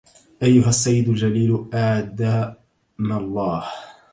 أيها السيد الجليل أدام الله